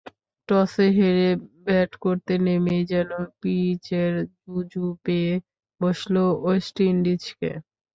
টসে হেরে ব্যাট করতে নেমেই যেন পিচের জুজু পেয়ে বসল ওয়েস্ট ইন্ডিজকে।